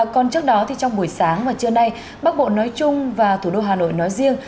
còn trước đó thì trong buổi sáng và trưa nay bắc bộ nói chung và thủ đô hà nội nói riêng